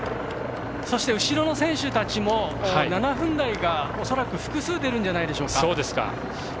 そして後ろの選手たちも７分台が恐らく複数、出るんじゃないでしょうか。